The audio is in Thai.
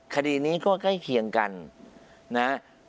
คดีนี้ก็ใกล้เคียงกันนะฮะ